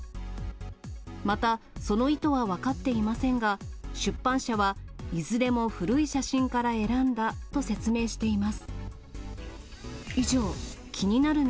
また、その意図は分かっていませんが、出版社は、いずれも古い写真から選んだと説明しています。